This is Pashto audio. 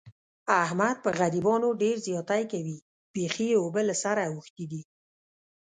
احمد په غریبانو ډېر زیاتی کوي. بیخي یې اوبه له سره اوښتې دي.